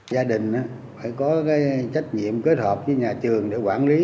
gia đình phải có trách nhiệm kết hợp với nhà trường để quản lý